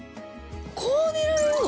こう寝られるの？